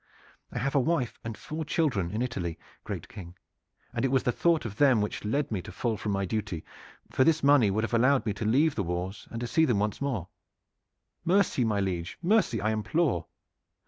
I have a wife and four children in Italy, great King; and it was the thought of them which led me to fall from my duty, for this money would have allowed me to leave the wars and to see them once again. Mercy, my liege, mercy, I implore!"